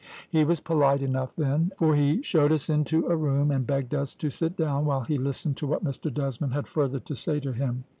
He was polite enough then, for he showed us into a room and begged us to sit down, while he listened to what Mr Desmond had further to say to him.